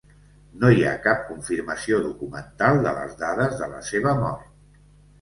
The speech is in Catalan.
No hi ha cap confirmació documental de les dades de la seva mort.